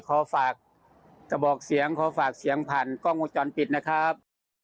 ขอฝากกระบอกเสียงขอฝากเสียงผ่านกล้องวงจรปิดนะครับ